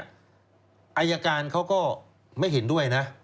อายการเขาก็ไม่เห็นด้วยนะ